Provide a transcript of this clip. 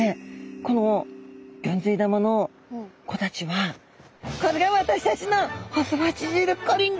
このギョンズイ玉の子たちは「これが私たちのホスファチジルコリンだ」。